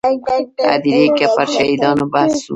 هدیرې کې پر شهیدانو بحث و.